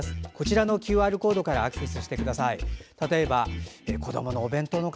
こちらのＱＲコードからアクセスしてください。